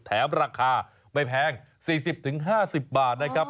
ราคาไม่แพง๔๐๕๐บาทนะครับ